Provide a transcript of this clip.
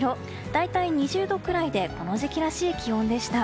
大体２０度くらいでこの時期らしい気温でした。